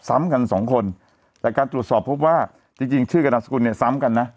ซ้ำกันสองคนแต่การตรวจสอบพบว่าจริงจริงชื่อกับนามสกุลเนี่ยซ้ำกันนะ